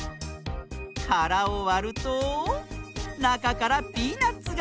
からをわるとなかからピーナツが！